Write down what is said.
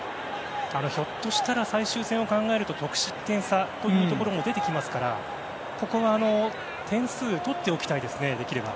ひょっとしたら最終戦を考えると得失点差というところも出てきますからここは、できれば点数を取っておきたいですね。